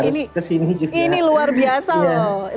ini luar biasa loh